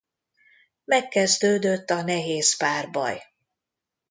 Megkezdődött a nehéz párbaj.